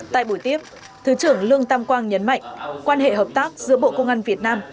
tại buổi tiếp thứ trưởng lương tam quang nhấn mạnh quan hệ hợp tác giữa bộ công an việt nam